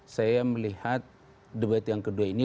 saya melihat debat yang kedua ini